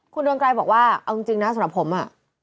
คุณดวงไกรบอกว่าเอาจริงนะสำหรับผมอ่ะ